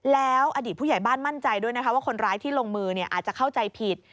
แล้วอดีตผู้ใหญ่บ้านมั่นใจด้วยนะคะว่าคนร้ายที่ลงมืออาจจะเข้าใจผิด